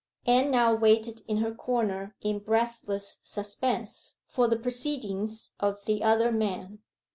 Anne now waited in her corner in breathless suspense for the proceedings of the other man.